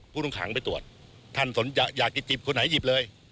ผู้ต้องขังไปตรวจท่านอยากจะจิบคนไหนหยิบเลย